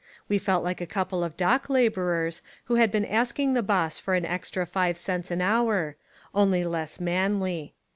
We felt like a couple of dock labourers who had been asking the boss for an extra five cents an hour — only less manly.